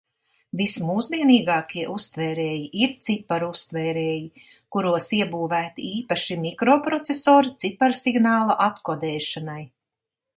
Vismūsdienīgākie uztvērēji ir ciparu uztvērēji, kuros iebūvēti īpaši mikroprocesori ciparsignāla atkodēšanai.